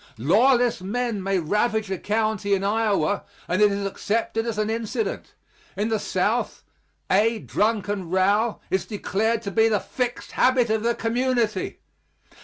Lawless men may ravage a county in Iowa and it is accepted as an incident in the South, a drunken row is declared to be the fixed habit of the community.